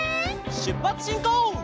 しゅっぱつしんこう！